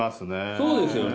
そうですよね。